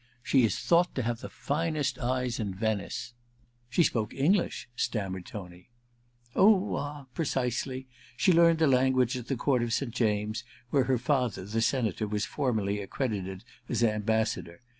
She is thought to have the finest eyes in Venice.' * She spoke English,' stammered Tony. (Qh — ah — precisely : she learned the language at the Court of Saint James, where her rather, the Senator, was formerly accredited as Am bassador.